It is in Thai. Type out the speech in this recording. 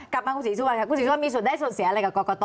กลับมาครูศิชวัณค่ะครูศิชวัณมีส่วนได้ส่วนเสียอะไรกับกอกกอตอ